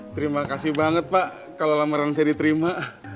terima kasih banget pak kalau lamaran saya diterima